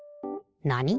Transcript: なに？